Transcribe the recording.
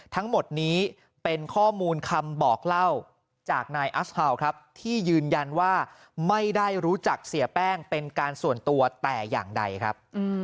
ทั้งหมดนี้เป็นข้อมูลคำบอกเล่าจากนายอัสฮาวครับที่ยืนยันว่าไม่ได้รู้จักเสียแป้งเป็นการส่วนตัวแต่อย่างใดครับ